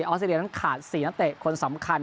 อสเตรเลียนั้นขาด๔นักเตะคนสำคัญ